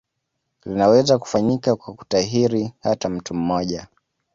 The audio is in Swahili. Linaweza kufanyika kwa kutahiri hata mtu mmoja